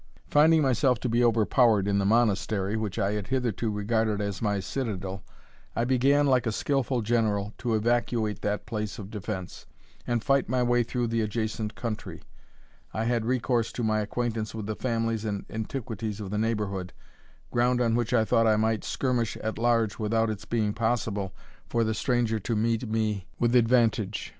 Finding myself like to be overpowered in the Monastery, which I had hitherto regarded as my citadel, I began, like a skilful general, to evacuate that place of defence, and fight my way through the adjacent country. I had recourse to my acquaintance with the families and antiquities of the neighbourhood, ground on which I thought I might skirmish at large without its being possible for the stranger to meet me with advantage.